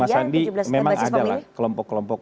mas andi memang adalah kelompok kelompok